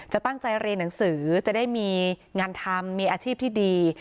ตั้งใจเรียนหนังสือจะได้มีงานทำมีอาชีพที่ดี